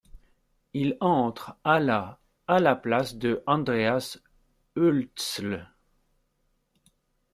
Il entre à la à la place de Andreas Hölzl.